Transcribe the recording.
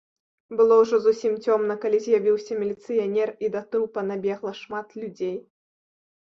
Было ўжо зусім цёмна, калі з'явіўся міліцыянер, і да трупа набегла шмат людзей.